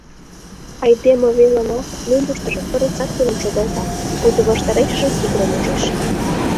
Айдеме веле мо, мӧҥгыштыжӧ пырысат пуным шогалта, пуйто ваштарешыже тигрым ужеш.